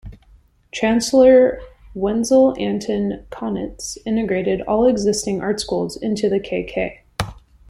Chancellor Wenzel Anton Kaunitz integrated all existing art schools into the k.k.